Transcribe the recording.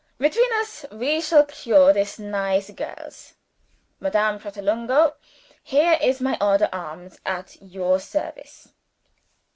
between us we shall cure this nice girls. Madame Pratolungo, here is my odder arms at your service.